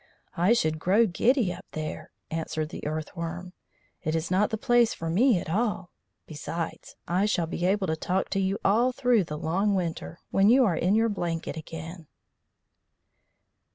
"I should grow giddy up there," answered the Earth worm. "It is not the place for me at all. Besides, I shall be able to talk to you all through the long winter, when you are in your blankets again."